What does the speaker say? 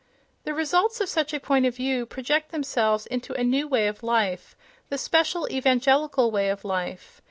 The results of such a point of view project themselves into a new way of life, the special evangelical way of life.